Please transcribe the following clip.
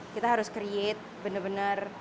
kita harus create benar benar